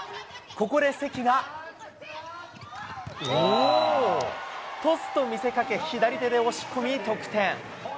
ここで関が、トスと見せかけ、左手で押し込み、得点。